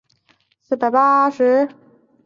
以荫叙出仕的直长等历任。